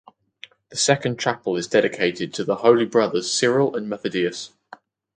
The second chapel is dedicated to the Holy Brothers Cyril and Methodius.